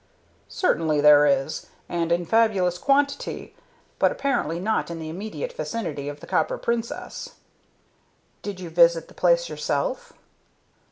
"Certainly there is, and in fabulous quantity, but apparently not in the immediate vicinity of the Copper Princess." "Did you visit the place yourself?"